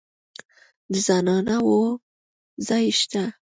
د زنانه وو ځای شته.